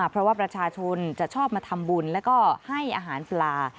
เพราะว่าประชาชนจะชอบมาทำบุญแล้วก็ให้อาหารปลา